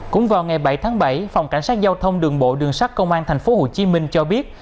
cũng vào ngày bảy tháng bảy phòng cảnh sát giao thông đường bộ đường sát công an tp hcm cho biết